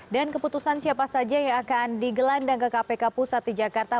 dan keputusan siapa saja yang akan digelandang ke kpk pusat di jakarta